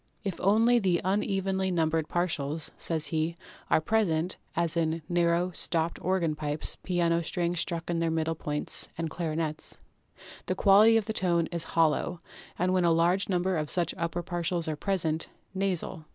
"If only the unevenly numbered partials," says he, "are present (as in narrow stopped or gan pipes, piano strings struck in their middle points, and clarinets), the quality of tone is hollow, and, when a large number of such upper partials are present, nasal.